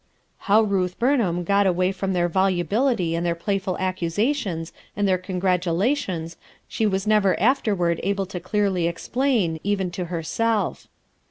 How Ruth Burnham got away from their volubility and their playful accusations and their congratulations she was never afterward able to clearly explain, even to herself.